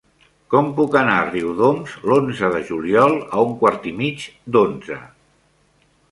Com puc anar a Riudoms l'onze de juliol a un quart i mig d'onze?